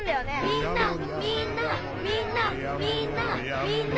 みんなみんなみんなみんなみんな！